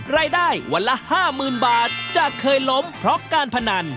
รายได้วันละ๕๐๐๐บาทจะเคยล้มเพราะการพนัน